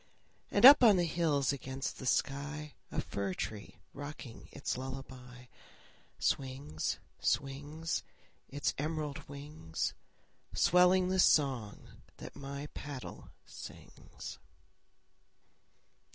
And up on the hills against the sky, A fir tree rocking its lullaby, Swings, swings, Its emerald wings, Swelling the song that my paddle sings.